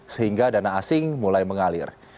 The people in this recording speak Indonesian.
sehingga dana asing mulai mengalir